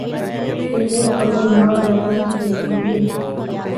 ایک اور خبر یہاں جاپان کی پٹرولیم